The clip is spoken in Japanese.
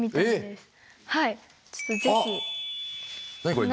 これ。